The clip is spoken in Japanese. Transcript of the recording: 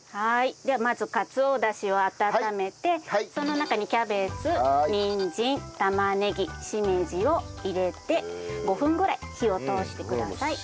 ではまずかつおダシを温めてその中にキャベツニンジン玉ねぎしめじを入れて５分ぐらい火を通してください。